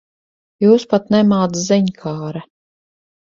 Jūs pat nemāc ziņkāre.